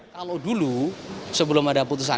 kalau dulu sebelum ada putusan